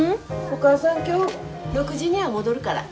お母さん今日６時には戻るから。